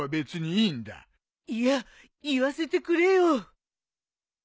いや言わせてくれよ。